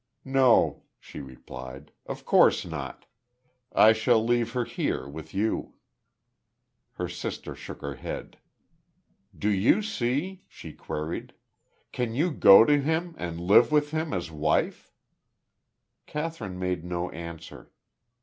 "No," she replied. "Of course not. I shall leave her here, with you." Her sister shook her head. "Do you see?" she queried. "Can you go to him, and live with him, as wife?" Kathryn made no answer.